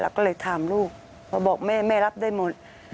ก็เลยถามลูกพอบอกแม่แม่รับได้หมด